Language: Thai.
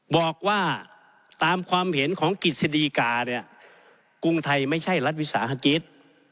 บอกว่าตามความเห็นของกฤษฎีกาเนี่ยกรุงไทยไม่ใช่รัฐวิสาหกิจ